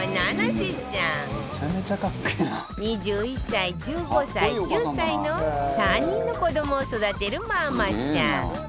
２１歳１５歳１０歳の３人の子どもを育てるママさん